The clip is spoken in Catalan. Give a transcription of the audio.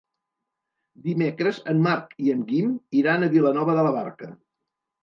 Dimecres en Marc i en Guim iran a Vilanova de la Barca.